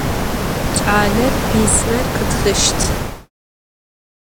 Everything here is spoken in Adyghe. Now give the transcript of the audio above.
Ç'aler pismer khıtxışt.